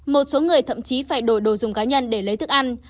một số người thậm chí phải đổi đồ dùng cá nhân để lấy thức ăn